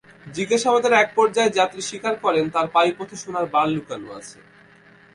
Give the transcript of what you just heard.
জিজ্ঞাসাবাদের একপর্যায়ে যাত্রী স্বীকার করেন, তাঁর পায়ুপথে সোনার বার লুকানো আছে।